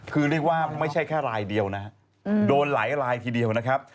คือเรียกว่าไม่ใช่แค่รายเดียวนะฮะโดนหลายรายทีเดียวนะครับ